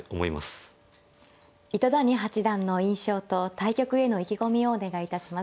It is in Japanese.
糸谷八段の印象と対局への意気込みをお願いいたします。